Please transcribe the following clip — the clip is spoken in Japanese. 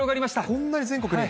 こんなに全国に。